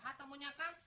sahat kamu nya gan